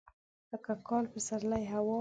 لکه کال، پسرلی، هوا.